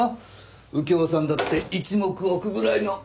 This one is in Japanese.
右京さんだって一目置くぐらいの名探偵だからね。